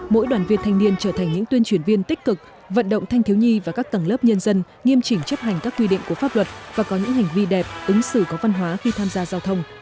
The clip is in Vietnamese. mỗi đoàn viên thanh niên trở thành những tuyên truyền viên tích cực vận động thanh thiếu nhi và các tầng lớp nhân dân nghiêm chỉnh chấp hành các quy định của pháp luật và có những hành vi đẹp ứng xử có văn hóa khi tham gia giao thông